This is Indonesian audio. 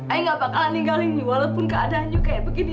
ay gak bakalan tinggalin walaupun keadaan you kayak begini